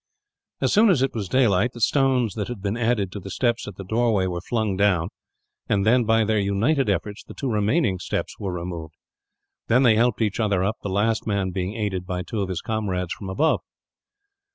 As soon as it was daylight, the stones that had been added to the steps at the doorway were flung down; and then, by their united efforts, the two remaining steps were removed. Then they helped each other up, the last man being aided by two of his comrades, above.